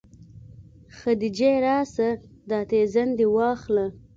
خديجې راسه دا تيزن دې واخله.